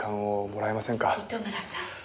糸村さん。